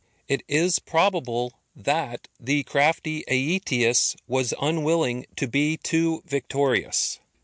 It is probable that the crafty Aetius was unwilling to be too victorious.